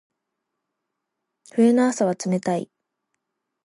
冬の朝は冷たい。